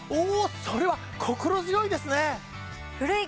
それは心強いですね！